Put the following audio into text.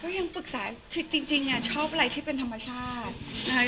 ยังปรึกษาจริงชอบอะไรที่เป็นธรรมชาตินะคะ